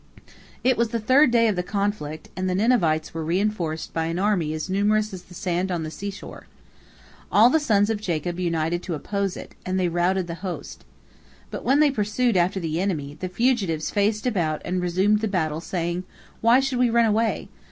It was the third day of the conflict, and the Ninevites were reinforced by an army as numerous as the sand on the sea shore. All the sons of Jacob united to oppose it, and they routed the host. But when they pursued after the enemy, the fugitives faced about and resumed the battle, saying: "Why should we run away?